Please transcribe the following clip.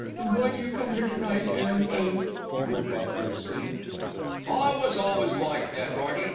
"Then why do you come here to night and and ?" He broke off nervously. "I was always like that, 'Earty.